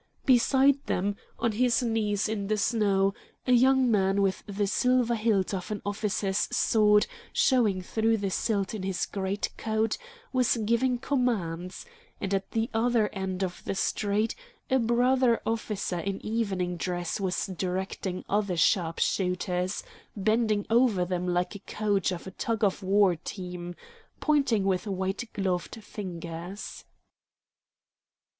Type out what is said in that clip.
Beside them, on his knees in the snow, a young man with the silver hilt of an officer's sword showing through the slit in his greatcoat, was giving commands; and at the other end of the street, a brother officer in evening dress was directing other sharp shooters, bending over them like the coach of a tug of war team, pointing with white gloved fingers.